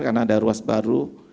karena ada ruas baru